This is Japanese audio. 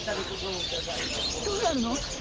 じゃあどうなるの？